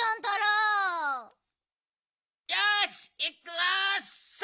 よしいくぞ。